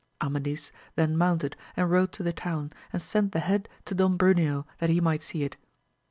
Amadis then mounted and rode to the town, and sent the head to Don Bruneo that he might see it.